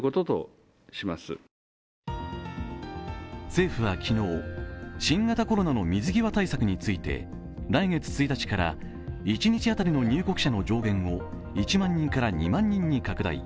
政府は昨日、新型コロナの水際対策について来月１日から一日当たりの入国者の上限を１万人から２万人に拡大